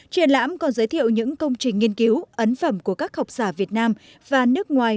triển lãm còn giới thiệu những công trình nghiên cứu ấn phẩm của các học giả việt nam và nước ngoài